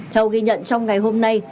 theo ghi nhận trong ngày hôm nay